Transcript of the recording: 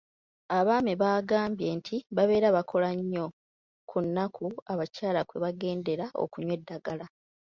Abaami baagambye nti babeera bakola nnyo ku nnnaku abakyala kwe bagendera okunywa eddagala.